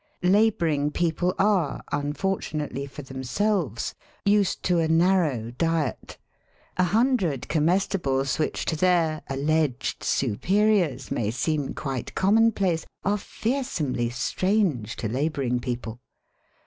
Labouring people are, un fortunately for themselves, used to a narrow diet. A hundred comestibles which to their alleged su periors may seem quite commonplace are fear somely strange to labouring people.